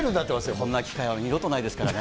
こんな機会は二度とないですからね。